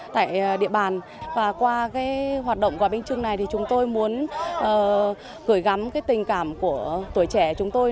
tại địa bàn và qua hoạt động gói bánh trưng này thì chúng tôi muốn gửi gắm cái tình cảm của tuổi trẻ chúng tôi